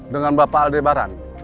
dengan bapak aldebaran